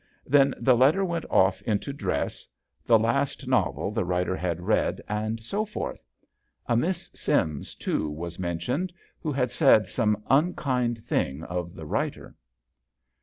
Then the letter went off into dress, the last novel the JOHN SHERMAN. 69 writer had read, and so forth. A Miss Sims, too, was mentioned, who had said some unkind thing of the writer.